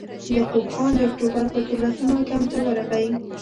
یعقوب خان د اکټوبر پر دولسمه کمپ ته ورغی.